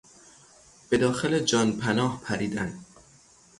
به داخل جانپناه پریدن